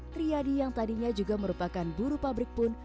triadi yang tadinya juga merupakan buru pabrik pun